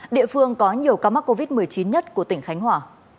địa phương có nhiều ca mắc covid một mươi chín nhất của tỉnh khánh hòa